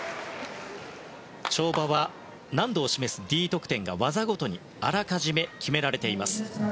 跳馬は難度を示すＤ得点が技ごとにあらかじめ決められています。